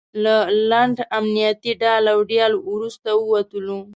له لنډ امنیتي ډال او ډیل وروسته ووتلو.